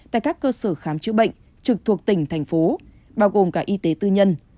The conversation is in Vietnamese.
tại các cơ sở khám chữa bệnh trực thuộc tỉnh thành phố bao gồm cả y tế tư nhân